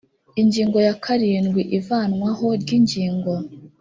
ingingo ya karindwi ivanwaho ry ingingo.